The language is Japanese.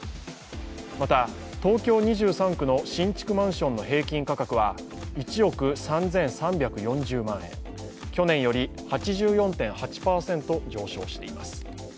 また、東京２３区の新築マンションの平均価格は１億３３４０万円、去年より８４．８％上昇しています。